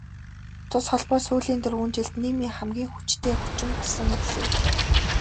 Тус холбоо сүүлийн дөрвөн жилд нийгмийн хамгийн хүчтэй хүчин болсон билээ.